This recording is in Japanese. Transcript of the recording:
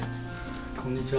こんにちは。